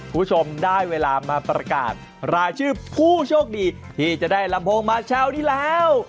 คุณผู้ชมได้เวลามาประกาศรายชื่อผู้โชคดีที่จะได้ลำโพงมาเช้านี้แล้ว